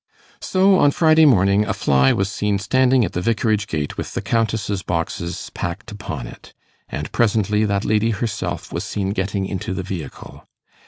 So, on Friday morning, a fly was seen standing at the Vicarage gate with the Countess's boxes packed upon it; and presently that lady herself was seen getting into the vehicle.